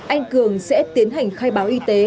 anh cường sẽ tiến hành khai báo y tế